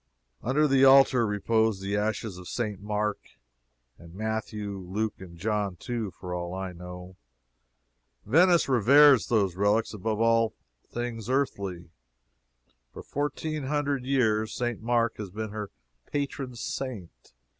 Under the altar repose the ashes of St. Mark and Matthew, Luke and John, too, for all I know. Venice reveres those relics above all things earthly. For fourteen hundred years St. Mark has been her patron saint.